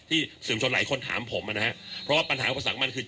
ที่สื่อมชนหลายคนถามผมอ่ะนะฮะเพราะว่าปัญหาอุปสรรคมันคือ